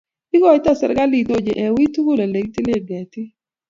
Ikaitoy serikalit onyo eng' wiy tugul ole tile ketik